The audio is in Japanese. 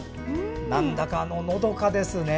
なんだか、のどかですね。